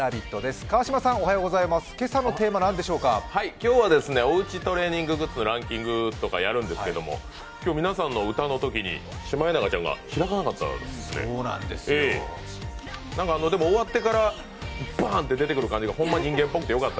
今日はおうちトレーニンググッズのランキングとかやるんですけど皆さんの歌のとき、シマエナガちゃんが開かなかったんですって？